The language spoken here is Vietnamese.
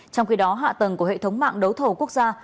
trong khi đó hạ tầng của hệ thống mạng đấu thầu quốc gia